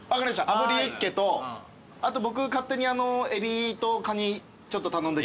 炙りユッケとあと僕勝手にエビとカニちょっと頼んできます。